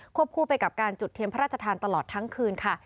คู่ไปกับการจุดเทียมพระราชทานตลอดทั้งคืนค่ะ